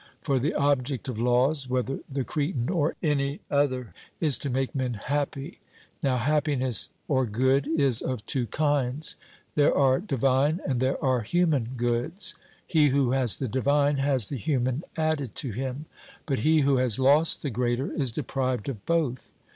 For the object of laws, whether the Cretan or any other, is to make men happy. Now happiness or good is of two kinds there are divine and there are human goods. He who has the divine has the human added to him; but he who has lost the greater is deprived of both.